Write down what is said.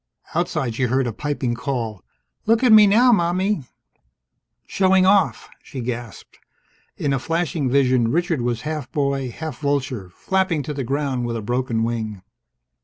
Outside, she heard a piping call: "Look at me now, Mommie!" "Showing off!" she gasped. In a flashing vision, Richard was half boy, half vulture, flapping to the ground with a broken wing.